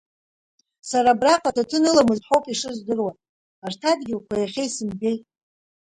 Сара абраҟа ҭаҭын ыламызт ҳәа ауп ишыздыруа, арҭ адгьылқәа иахьа исымбеит.